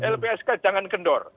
lpsk jangan kendor